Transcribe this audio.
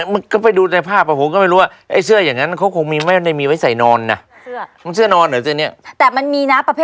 ไม่ก็ไปดูในภาพอะ